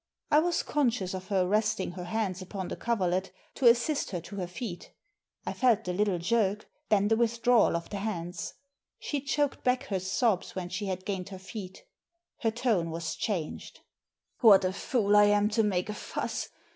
I was conscious of her resting Aer hands upon the coverlet to assist her to her bet. I felt the little jerk; then the withdrawal of the hands. She choked back her sobs when she had gained her feet Her tone was changed. What a fool I am to make a fuss.